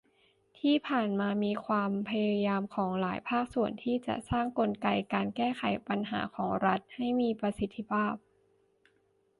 ที่ผ่านมามีความพยายามของหลายภาคส่วน ที่จะสร้างกลไกการแก้ปัญหาของรัฐให้มีประสิทธิภาพ